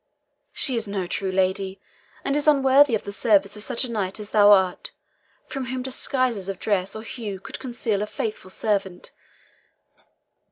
She is no true lady, and is unworthy of the service of such a knight as thou art, from whom disguises of dress or hue could conceal a faithful servant.